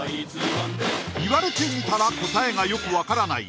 言われてみたら答えがよく分からない